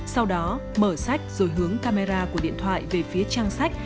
sau đó mở sách rồi hướng camera của điện thoại về phía trang sách